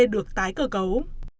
được tái cơ cấu